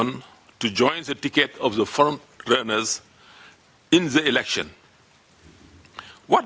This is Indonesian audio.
untuk menyertai tiket pemimpin perundingan dalam pilihan